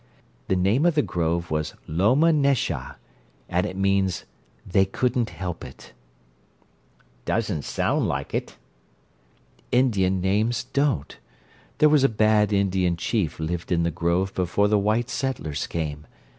The name of the grove was 'Loma Nashah' and it means 'They Couldn't Help It'." "Doesn't sound like it." "Indian names don't. There was a bad Indian chief lived in the grove before the white settlers came.